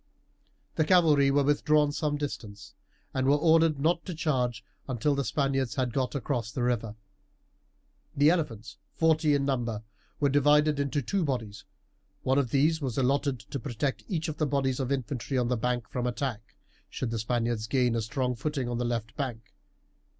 The cavalry were withdrawn some distance, and were ordered not to charge until the Spaniards had got across the river. The elephants, forty in number, were divided into two bodies. One of these was allotted to protect each of the bodies of infantry on the bank from attack, should the Spaniards gain a strong footing on the left bank.